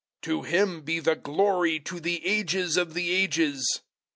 001:005 To Him be the glory to the Ages of the Ages!